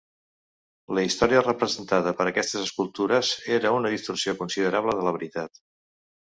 La història representada per aquestes escultures era una distorsió considerable de la veritat.